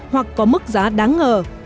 hoặc có mức giá đáng ngờ